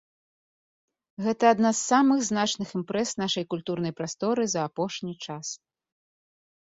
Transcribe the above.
Гэта адна з самых значных імпрэз нашай культурнай прасторы за апошні час.